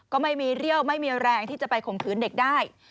ก็ไม่มีเรี่ยวไม่มีแรงที่จะไปข่มขืนเด็กได้